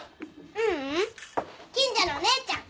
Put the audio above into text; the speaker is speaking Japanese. ううん近所のお姉ちゃん。